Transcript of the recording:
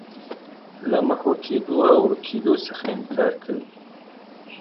له محوه کېدو او ورکېدو څخه انکار کوي.